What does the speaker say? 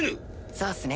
そうっすね